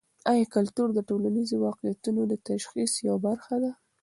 ایا کلتور د ټولنیزو واقعیتونو د تشخیص یوه برخه ده؟